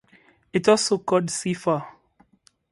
It is also called sea fur.